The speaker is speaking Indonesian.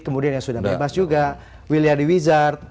kemudian yang sudah bebas juga williadi wizard